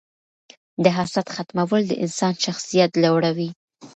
د حسد ختمول د انسان شخصیت لوړوي.